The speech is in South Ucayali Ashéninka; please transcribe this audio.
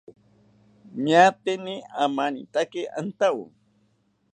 Ñaateni amanitaki antawo